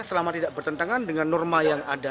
selama tidak bertentangan dengan norma yang ada